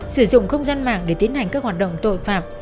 sử dụng không gian mạng để tiến hành các hoạt động tội phạm